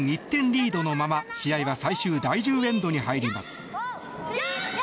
１点リードのまま試合は最終第１０エンドに入ります。